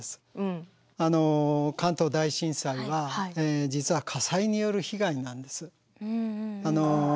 関東大震災は実は火災による被害なんです。